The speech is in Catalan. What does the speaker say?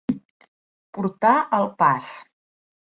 Portar el pas.